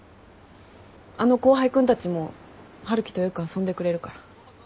あの後輩君たちも春樹とよく遊んでくれるから。